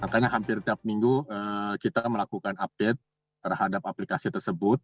karena hampir tiap minggu kita melakukan update terhadap aplikasi tersebut